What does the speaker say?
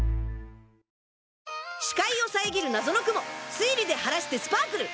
視界を遮る謎の雲推理で晴らしてスパークル！